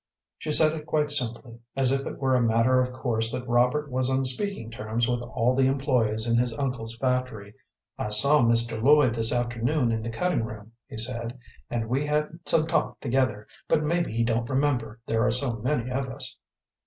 She said it quite simply, as if it was a matter of course that Robert was on speaking terms with all the employés in his uncle's factory. Granville colored. "I saw Mr. Lloyd this afternoon in the cutting room," he said, "and we had some talk together; but maybe he don't remember, there are so many of us."